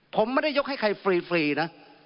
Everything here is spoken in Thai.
ผมไม่ได้ยกให้ใครฟรีนะ